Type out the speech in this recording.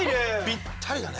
ぴったりだね。